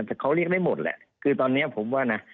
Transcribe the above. แต่เขาเรียกได้หมดแหละคือตอนนี้ผมว่านะ